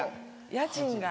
家賃が。